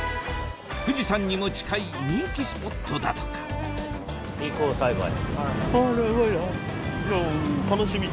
富士山にも近い人気スポットだとか・水耕栽培？